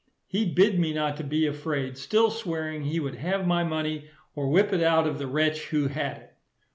He bid me not to be afraid, still swearing he would have my money, or whip it out of the wretch who had it.